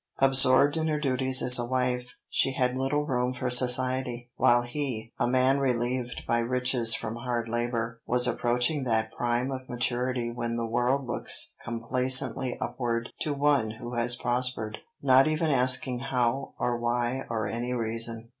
Absorbed in her duties as a wife, she had little room for society, while he, a man relieved by riches from hard labor, was approaching that prime of maturity when the world looks complacently upward to one who has prospered, not even asking how, or why, or any reason.